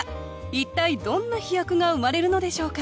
一体どんな「飛躍」が生まれるのでしょうか？